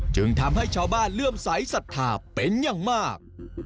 จึงทำให้ชาวบ้านเลื่อมใสสัทธาเป็นอย่างมาก